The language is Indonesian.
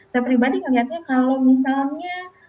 saya pribadi melihatnya kalau misalnya